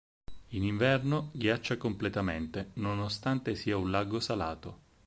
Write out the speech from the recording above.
In inverno ghiaccia completamente, nonostante sia un lago salato.